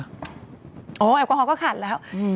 โอ้โหแอลกอฮอลก็ขาดแล้ว